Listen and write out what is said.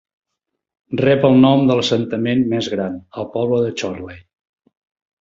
Rep el nom de l'assentament més gran, el poble de Chorley.